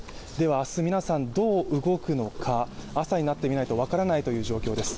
明日皆さんどう動くのか、朝になってみないと分からないという状況です